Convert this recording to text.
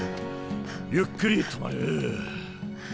ゆっくり止まる。